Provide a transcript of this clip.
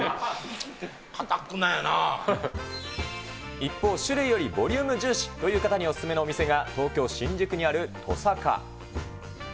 一方、種類よりボリューム重視という方にお勧めのお店が、東京・新宿にあるとさか。